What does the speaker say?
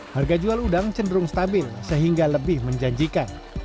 harga jual udang cenderung stabil sehingga lebih menjanjikan